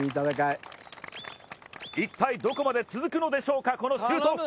一体どこまで続くのでしょうか、このシュートオフ。